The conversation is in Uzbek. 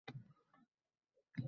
— Uddalaysan.